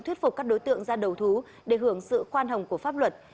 thuyết phục các đối tượng ra đầu thú để hưởng sự khoan hồng của pháp luật